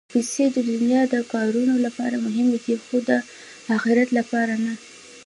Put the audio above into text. پېسې د دنیا د کارونو لپاره مهمې دي، خو د اخرت لپاره نه.